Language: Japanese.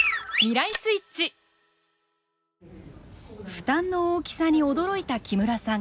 負担の大きさに驚いた木村さん。